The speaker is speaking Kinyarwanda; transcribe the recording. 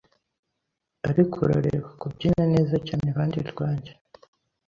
Ariko urareba, kubyina neza cyane iruhande rwanjye